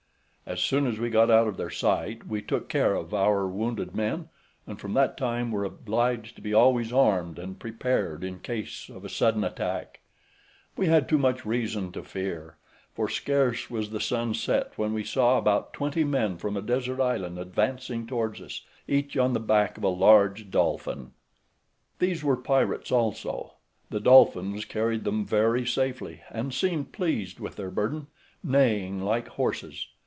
As soon as we got out of their sight, we took care of our wounded men, and from that time were obliged to be always armed and prepared in case of sudden attack. We had too much reason to fear, for scarce was the sun set when we saw about twenty men from a desert island advancing towards us, each on the back of a large dolphin. These were pirates also: the dolphins carried them very safely, and seemed pleased with their burden, neighing like horses.